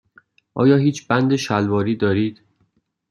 آیا هیچ بند شلواری دارید؟